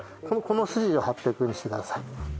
この筋を８００にしてください。